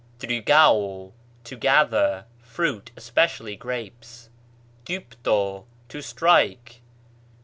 τρυγάω, to gather (fruit, especially grapes). τύπτω, to strike.